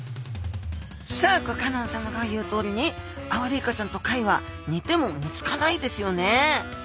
シャーク香音さまが言うとおりにアオリイカちゃんと貝は似ても似つかないですよね。